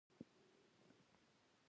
اوس بله هېڅ لار نه لرو.